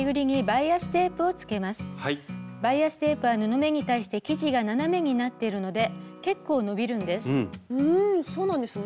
バイアステープは布目に対して生地が斜めになっているので結構伸びるんです。